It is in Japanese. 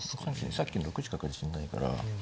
さっきの６一角は自信ないから。